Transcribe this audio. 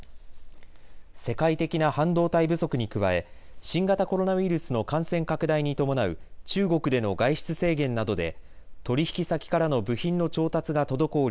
世界的な半導体不足に加え新型コロナウイルスの感染拡大に伴う中国での外出制限などで取引先からの部品の調達が滞り